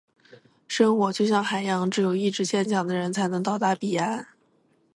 生活就像海洋，只有意志坚强的人，才能到达彼岸。